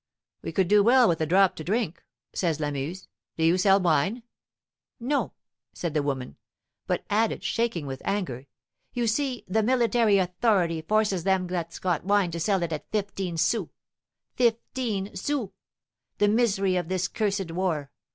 "We could do well with a drop to drink," says Lamuse. "Do you sell wine?" "No," said the woman, but added, shaking with anger, "You see, the military authority forces them that's got wine to sell it at fifteen sous! Fifteen sous! The misery of this cursed war!